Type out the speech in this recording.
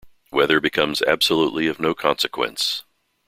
Weather becomes absolutely of no consequence.